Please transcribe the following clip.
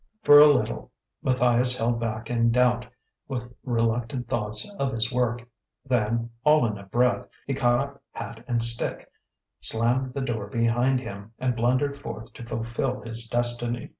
For a little Matthias held back in doubt, with reluctant thoughts of his work. Then all in a breath he caught up hat and stick, slammed the door behind him, and blundered forth to fulfill his destiny....